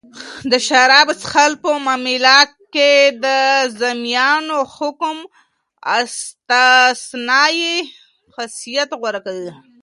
د شرابو څښل په معامله کښي د ذمیانو حکم استثنايي حیثت غوره کوي.